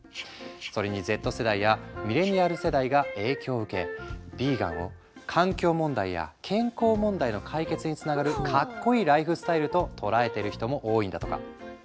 それにＺ世代やミレニアル世代が影響を受けヴィーガンを環境問題や健康問題の解決につながるかっこいいライフスタイルと捉えてる人も多いんだとか。